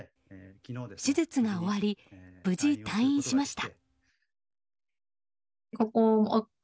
手術が終わり無事退院しました。